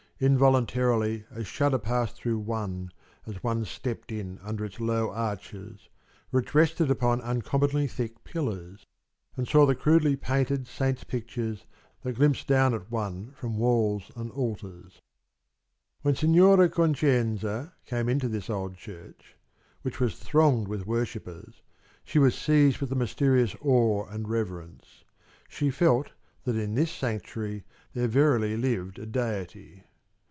Involuntarily a shudder passed through one as one stepped in under its low arches, which rested upon uncommonly thick pillars, and saw the crudely painted saints' pictures that glimpsed down at one from walls and altars. When Signora Concenza came into this old church, which was thronged with worshippers, she was seized with a mysterious awe and reverence. She felt that in this sanctuary there verily lived a Deity.